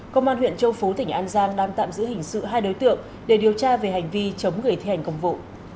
công an huyện châu phú tỉnh an giang đang tạm giữ hình sự hai đối tượng để điều tra về hành vi chống người thi hành công vụ